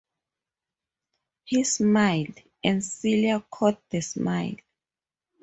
He smiled, and Celia caught the smile.